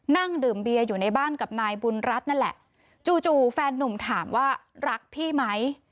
นั่งดื่มเบียอยู่ในบ้านกับนายบุญรัฐนั่นแหละจู่จู่แฟนนุ่มถามว่ารักพี่ไหม